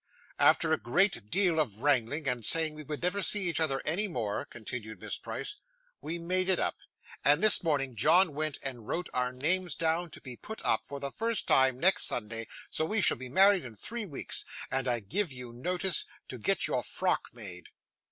'After a great deal of wrangling, and saying we would never see each other any more,' continued Miss Price, 'we made it up, and this morning John went and wrote our names down to be put up, for the first time, next Sunday, so we shall be married in three weeks, and I give you notice to get your frock made.